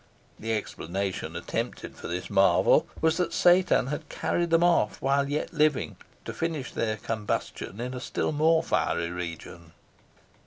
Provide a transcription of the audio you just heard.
The explanation attempted for this marvel was, that Satan had carried them off while yet living, to finish their combustion in a still more fiery region.